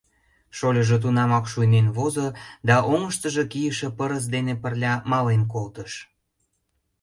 Шольыжо тунамак шуйнен возо да оҥыштыжо кийыше пырыс дене пырля мален колтыш.